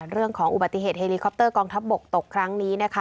เรื่องของอุบัติเหตุเฮลิคอปเตอร์กองทัพบกตกครั้งนี้นะคะ